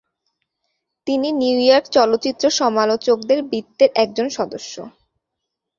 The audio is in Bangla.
তিনি নিউইয়র্ক চলচ্চিত্র সমালোচকদের বৃত্তের একজন সদস্য।